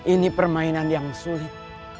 ini permainan yang sulit